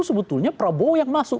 sebetulnya prabowo yang masuk